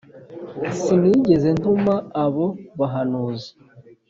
Sinigeze ntuma abo bahanuzi